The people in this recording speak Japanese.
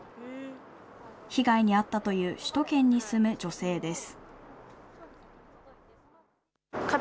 被害に遭ったという首都圏に住む女性です。